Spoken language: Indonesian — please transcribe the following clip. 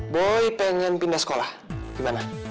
boy pengen pindah sekolah gimana